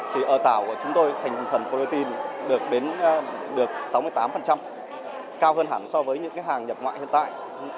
thì ở tàu của chúng tôi thành phần protein được sáu mươi tám cao hơn hẳn so với những hàng nhập ngoại hiện tại